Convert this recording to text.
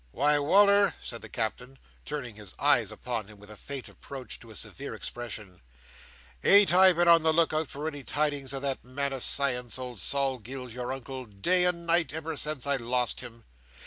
"Why, Wal"r," said the Captain, turning his eyes upon him with a faint approach to a severe expression, "ain't I been on the look out for any tidings of that man o' science, old Sol Gills, your Uncle, day and night, ever since I lost him?